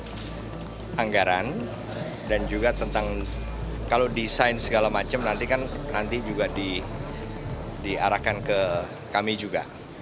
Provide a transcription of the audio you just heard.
tentunya kita bahas tentang penggaran dan juga tentang kalau desain segala macam nanti kan nanti juga diarahkan ke kami juga